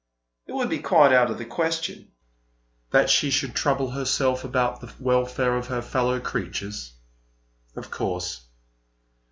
It would be quite out of the question " "That she should trouble herself about the welfare of her inferior fellow creatures. Of course.